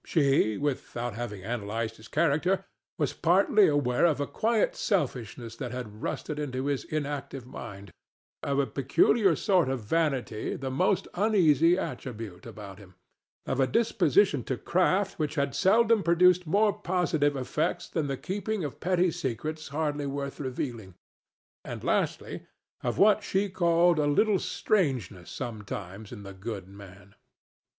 She, without having analyzed his character, was partly aware of a quiet selfishness that had rusted into his inactive mind; of a peculiar sort of vanity, the most uneasy attribute about him; of a disposition to craft which had seldom produced more positive effects than the keeping of petty secrets hardly worth revealing; and, lastly, of what she called a little strangeness sometimes in the good man.